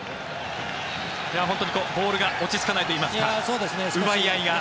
本当にボールが落ち着かないといいますか奪い合いが。